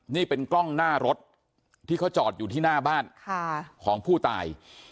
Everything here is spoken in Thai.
นี่เป็นกล้องหน้ารถที่เขาจอดอยู่ที่หน้าบ้านของผู้ตาย